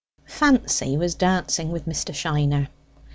Fancy was dancing with Mr. Shiner.